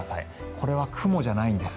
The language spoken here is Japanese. これは雲じゃないんです。